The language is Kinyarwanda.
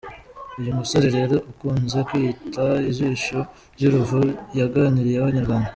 Uyu musore rero ukunze kwiyita Jisho ry’uruvu yaganiriyen’ inyarwanda.